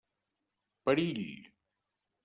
Perill.